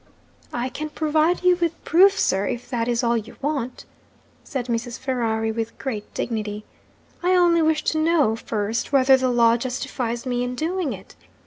'I can provide you with proof, sir if that is all you want,' said Mrs. Ferrari, with great dignity. 'I only wish to know, first, whether the law justifies me in doing it.